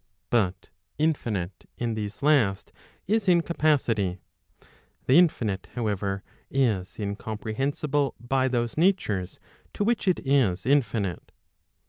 But infinite in these last is in capacity. The infinite however, is incomprehensible by those natures to which it is infinite.